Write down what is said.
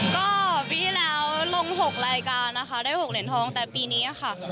ก็ปีที่แล้วลง๖รายการนะคะได้๖เหรียญทองแต่ปีนี้ค่ะ